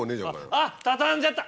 あっ畳んじゃった！